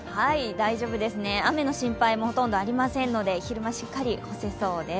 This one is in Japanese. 大丈夫ですね、雨の心配もほとんどありませんので、昼間しっかり干せそうです。